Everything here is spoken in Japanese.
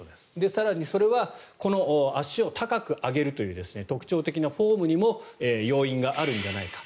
更にそれはこの足を高く上げるという特徴的なフォームにも要因があるんじゃないか。